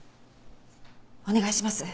お願いします。